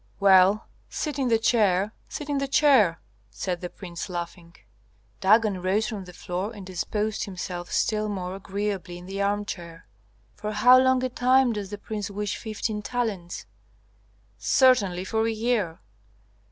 "Well, sit in the chair, sit in the chair," said the prince, laughing. Dagon rose from the floor and disposed himself still more agreeably in the armchair. "For how long a time does the prince wish fifteen talents?" "Certainly for a year."